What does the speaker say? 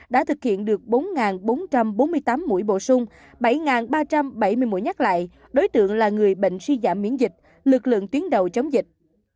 đã thực hiện được bốn bốn trăm bốn mươi tám mũi bổ sung bảy ba trăm bảy mươi mũi nhắc lại đối tượng là người bệnh suy giảm miễn dịch lực lượng tuyến đầu chống dịch